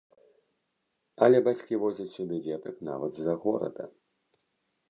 Але бацькі возяць сюды дзетак нават з-за горада.